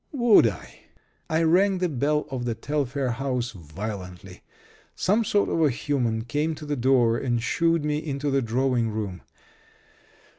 Would I? I rang the bell of the Telfair house violently. Some sort of a human came to the door and shooed me into the drawing room.